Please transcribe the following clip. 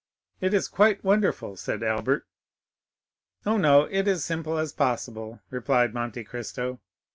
"It is quite wonderful," said Albert. "Oh no, it is as simple as possible," replied Monte Cristo.